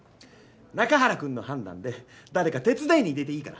中原くんの判断で誰か手伝いに入れていいから。